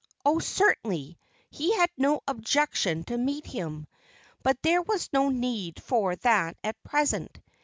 Oh, certainly, he had no objection to meet him; but there was no need for that at present.